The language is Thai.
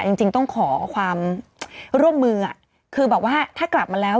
จริงจริงต้องขอความร่วมมือคือบอกว่าถ้ากลับมาแล้ว